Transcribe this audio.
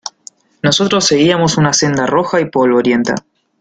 nosotros seguíamos una senda roja y polvorienta.